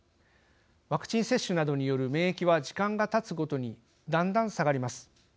ワクチン接種などによる免疫は時間がたつごとにだんだん下がります。